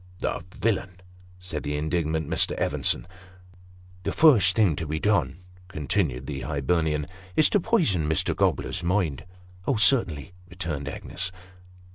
" The villain !" said the indignant Mr. Evenson. " The first thing to be done," continued the Hibernian, " is to poison Mr. Gobler's mind." " Oh, certainly," returned Agnes.